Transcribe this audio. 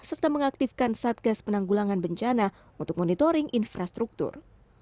serta mengaktifkan satgas penanggulangan bencana untuk monitoring infrastruktur